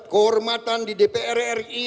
kehormatan di dpr ri